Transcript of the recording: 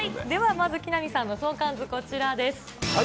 では、まず木南さんの相関図、こちらです。